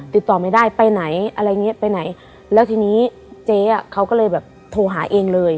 ติดต่อไม่ได้ไปไหนอะไรอย่างเงี้ยไปไหนแล้วทีนี้เจ๊อ่ะเขาก็เลยแบบโทรหาเองเลย